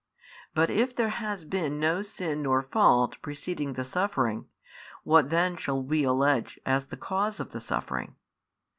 But if there has been no sin nor fault preceding the suffering, what then shall we allege as the cause of the suffering?